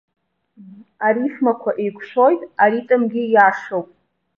Арифмақәа еиқәшәоит, аритмгьы иашоуп.